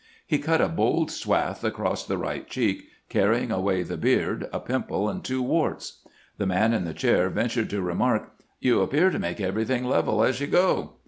He cut a bold swath across the right cheek, carrying away the beard, a pimple, and two warts. The man in the chair ven tured to remark :* You appear to make everything level as you go.'